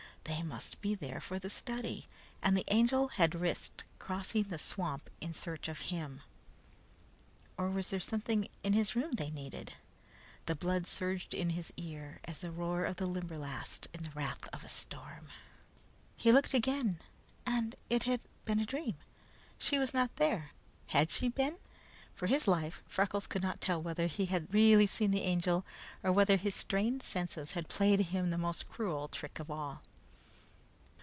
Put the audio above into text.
They must be there for the study, and the Angel had risked crossing the swamp in search of him. Or was there something in his room they needed? The blood surged in his ears as the roar of the Limberlost in the wrath of a storm. He looked again, and it had been a dream. She was not there. Had she been? For his life, Freckles could not tell whether he really had seen the Angel, or whether his strained senses had played him the most cruel trick of all.